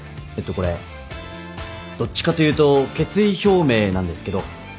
これどっちかというと決意表明なんですけど。